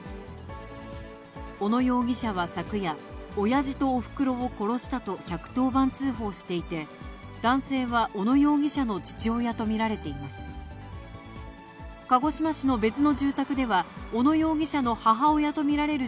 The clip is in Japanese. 小野容疑者は昨夜、おやじとおふくろを殺したと１１０番通報していて、男性は小野容疑者の父親と見られています。